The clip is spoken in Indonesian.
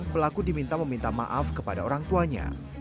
pelaku diminta meminta maaf kepada orang tuanya